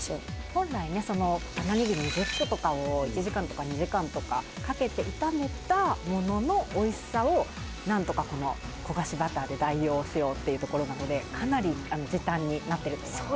「本来ね玉ねぎ２０個とかを１時間とか２時間とかかけて炒めたものの美味しさをなんとかこの焦がしバターで代用しようっていうところなのでかなり時短になってると思います」